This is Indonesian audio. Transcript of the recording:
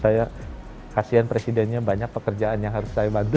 saya kasihan presidennya banyak pekerjaan yang harus saya bantu